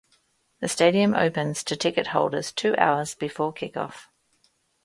The stadium opens to ticket holders two hours before kick-off.